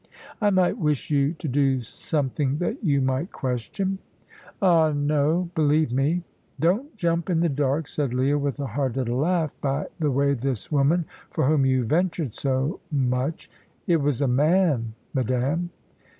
"I might wish you to do something that you might question." "Ah, no believe me!" "Don't jump in the dark," said Leah, with a hard little laugh; "by the way, this woman, for whom you ventured so much " "It was a man, madame."